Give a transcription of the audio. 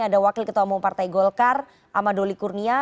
ada wakil ketua umum partai golkar amadoli kurnia